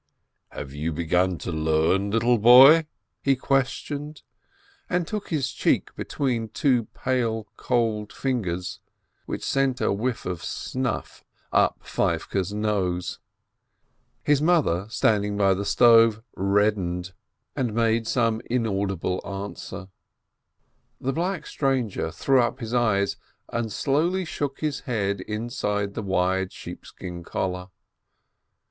"Have you begun to learn, little boy?" he questioned, and took his cheek between two pale, cold fingers, which sent a whiff of snuff up Feivke's nose. His mother, standing by the stove, reddened, and made COUNTRY FOLK 545 some inaudible answer. The black stranger threw up his eyes, and slowly shook his head inside the wide sheepskin collar.